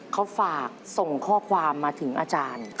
เขาฝากส่งข้อความมาถึงอาจารย์